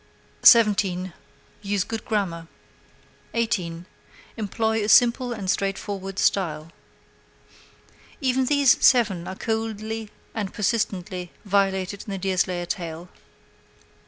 17. Use good grammar. 18. Employ a simple and straightforward style. Even these seven are coldly and persistently violated in the Deerslayer tale.